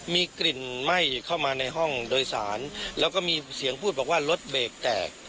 มีกลิ่นไหม้เข้ามาในห้องโดยสารแล้วก็มีเสียงพูดบอกว่ารถเบรกแตก